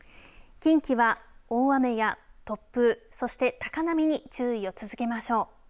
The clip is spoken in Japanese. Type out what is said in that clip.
近畿は大雨や突風そして高波に注意を続けましょう。